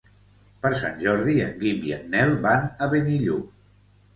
Per Sant Jordi en Guim i en Nel van a Benillup.